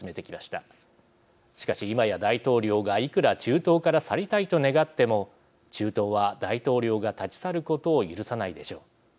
しかし今や大統領がいくら中東から去りたいと願っても中東は大統領が立ち去ることを許さないでしょう。